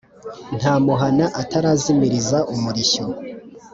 nta muhana atarazimiriza umurishyo.